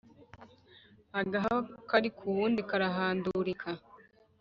Agahwa kari k’uwundi karahandurika.